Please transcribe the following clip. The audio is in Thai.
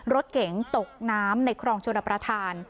รถเก๋งตกน้ำในคลองชลประธาน